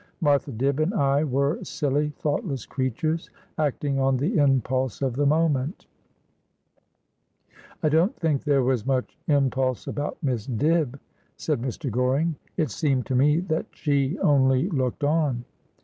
Martha Dibb and I were silly, thoughtless creatures, acting on the impulse of the moment.' 102 Asphodel. ' I don't think there was much impulse about Miss Dibb,' said Mr. Goring. ' It seemed to me that she only looked on.'